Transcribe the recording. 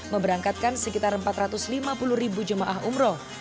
memberangkatkan sekitar empat ratus lima puluh ribu jemaah umroh